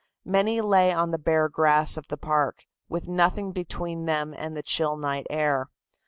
Many lay on the bare grass of the park, with nothing between them and the chill night air.